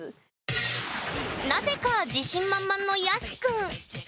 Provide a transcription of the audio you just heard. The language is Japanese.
なぜか自信満々のＹＡＳＵくん。